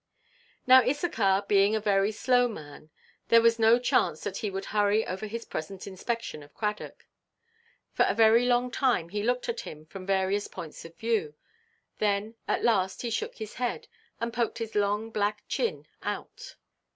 Now, Issachar being a very slow man, there was no chance that he would hurry over his present inspection of Cradock. For a very long time he looked at him from various points of view; then, at last, he shook his head, and poked his long black chin out.